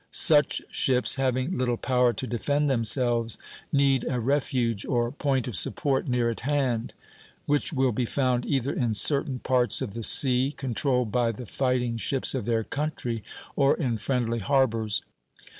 Such ships, having little power to defend themselves, need a refuge or point of support near at hand; which will be found either in certain parts of the sea controlled by the fighting ships of their country, or in friendly harbors.